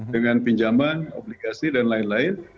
dengan pinjaman obligasi dan lain lain